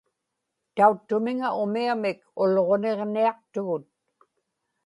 tauttumiŋa umiamik Ulġuniġniaqtugut